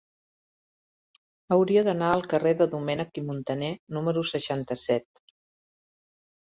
Hauria d'anar al carrer de Domènech i Montaner número seixanta-set.